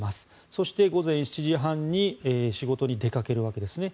そして午前７時半に仕事に出かけるわけですね。